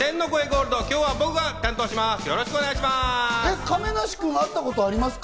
ゴールド、今日は僕が担当します。